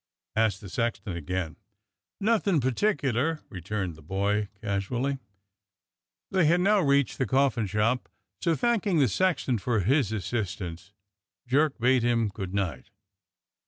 asked the sexton again. "Nothin' particular," returned the boy casually. They had now reached the coffin shop, so, thanking the sexton for his assistance. Jerk bade him good night.